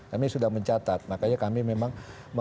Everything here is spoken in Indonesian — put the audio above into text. kami sudah mencatat makanya kami memang